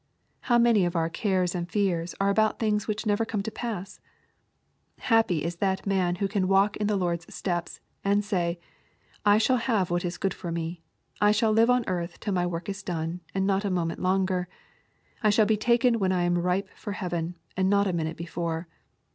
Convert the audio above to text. How many of our cares and fears are about things which never come to pass 1 Hap py is that man who can walk in our Lord's steps, and say, " I shall have what is good for me. I shall live on earth till my work is done, and not a moment longer. I shall be taken when I am ripe for heaven, and not a minute before.